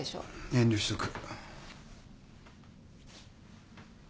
遠慮しとく。